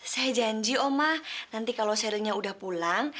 sampai jumpa di video selanjutnya